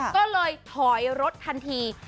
ก็เลยถอยรถทันที